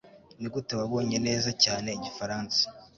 nigute wabonye neza cyane igifaransa